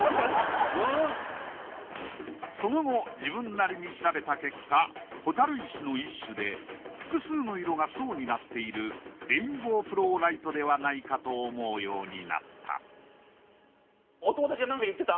その後自分なりに調べた結果蛍石の一種で複数の色が層になっているレインボーフローライトではないかと思うようになったお友達は何か言ってた？